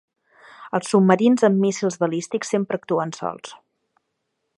Els submarins amb míssils balístics sempre actuen sols.